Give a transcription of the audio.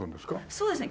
そうですね